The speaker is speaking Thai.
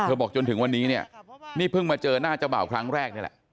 บอกจนถึงวันนี้เนี่ยนี่เพิ่งมาเจอหน้าเจ้าบ่าวครั้งแรกนี่แหละ